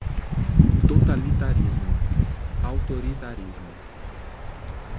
Totalitarismo, autoritarismo